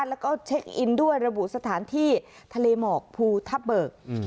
แล้วก็เช็คอินด้วยระบุสถานที่ทะเลหมอกภูทับเบิก